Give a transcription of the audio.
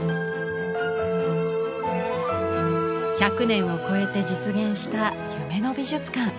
１００年を超えて実現した夢の美術館。